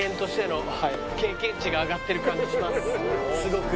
すごく。